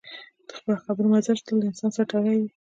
د خبرو مزاج تل د انسان سره تړلی وي